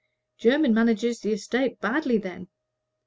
Jermyn manages the estate badly, then.